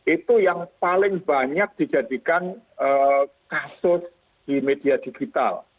itu yang paling banyak dijadikan kasus di media digital